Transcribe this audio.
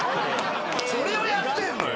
それをやってんのよ。